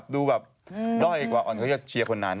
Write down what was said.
ดูแบบด้อยกว่าอ่อนเขาจะเชียร์คนนั้น